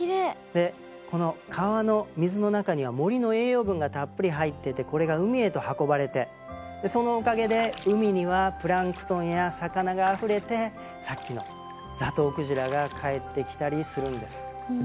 でこの川の水の中には森の栄養分がたっぷり入っててこれが海へと運ばれてそのおかげで海にはプランクトンや魚があふれてさっきのザトウクジラが帰ってきたりするんです。